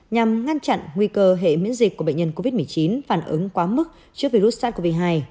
nhằm ngăn chặn nguy cơ hệ miễn dịch của bệnh nhân covid một mươi chín phản ứng quá mức trước virus sars cov hai